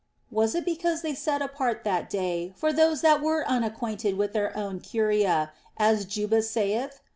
Was it because they set apart that day for those that were unacquainted with their own curiae, as Juba saith